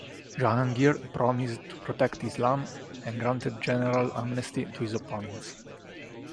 Jahangir promised to protect Islam and granted general amnesty to his opponents.